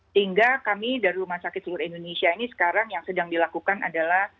sehingga kami dari rumah sakit seluruh indonesia ini sekarang yang sedang dilakukan adalah